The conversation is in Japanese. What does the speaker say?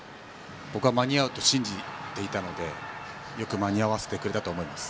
間に合うと信じていたのでよく間に合ったと思います。